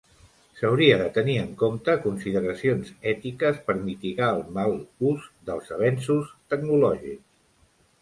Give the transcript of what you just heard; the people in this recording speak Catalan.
S'hauria de tenir en compte consideracions ètiques per mitigar el mal ús dels avenços tecnològics.